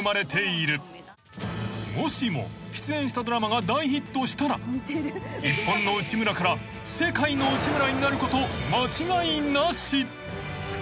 ［もしも出演したドラマが大ヒットしたら日本の内村から世界の内村になること間違いなし］